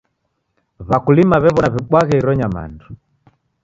W'akulima w'ew'ona w'ibwaghe iro nyamandu.